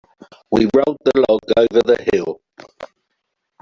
We rolled the log over the hill.